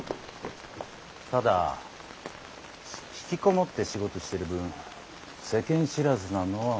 ただ引きこもって仕事してる分世間知らずなのは間違いない。